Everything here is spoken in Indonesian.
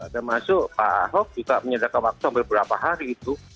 termasuk pak ahok juga menyediakan waktu hampir beberapa hari itu